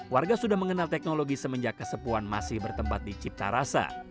warga sudah mengenal teknologi semenjak kesepuan masih bertempat di cipta rasa